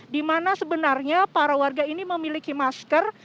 di mana sebenarnya para warga ini memiliki masker